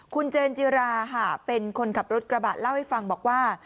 คุณเจนจิราค่ะเป็นคนขับรถกระบะเล่าให้ฟังบอกว่า